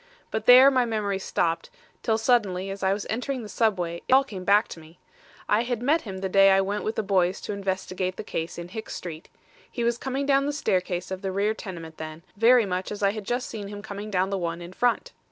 But there my memory stopped, till suddenly as I was entering the subway, it all came back to me. I had met him the day I went with the boys to investigate the case in Hicks Street. He was coming down the staircase of the rear tenement then, very much as I had just seen him coming down the one in front.